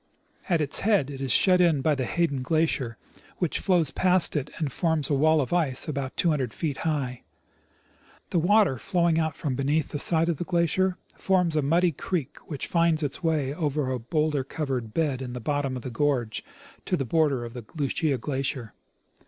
At its head it is shut in by the Hayden glacier, which flows past it and forms a wall of ice about two hundred feet high. The water flowing out from beneath the side of the glacier forms a muddy creek, which finds its way over a bowlder covered bed in the bottom of the gorge to the border of Lucia glacier.